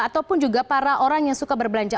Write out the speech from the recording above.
ataupun juga para orang yang suka berbelanja